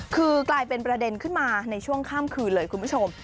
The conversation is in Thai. คือกลายเป็นประเด็นขึ้นมาในช่วงข้ามคืนเลยคุณผู้ชม